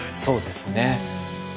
そうですね。